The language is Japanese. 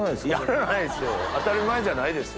当たり前じゃないですよ！